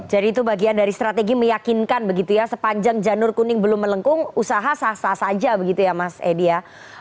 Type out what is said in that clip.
jadi itu bagian dari strategi meyakinkan begitu ya sepanjang janur kuning belum melengkung usaha sah sah saja begitu ya mas edi ya